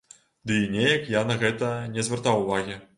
Ды і неяк я на гэтае не звяртаў увагі.